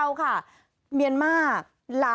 ค่ะคือเมื่อวานี้ค่ะ